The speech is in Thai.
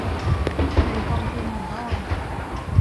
ในกองทุนหมู่บ้าน